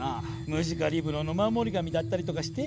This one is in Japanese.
ムジカリブロの守り神だったりとかして？